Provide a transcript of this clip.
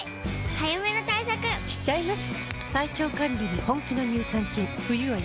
早めの対策しちゃいます。